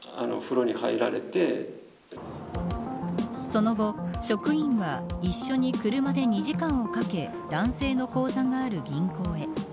その後、職員は一緒に車で２時間をかけ男性の口座がある銀行へ。